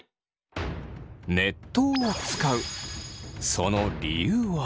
その理由は。